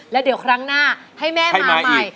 แล้วเดี๋ยวครั้งหน้าให้แม่มาใหม่